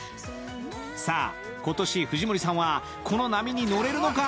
さあ、今年、藤森さんはこの波に乗れるのか。